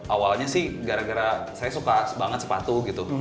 awalnya sih gara gara saya suka banget sepatu gitu